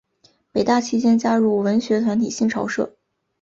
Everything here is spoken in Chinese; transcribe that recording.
北大期间加入文学团体新潮社。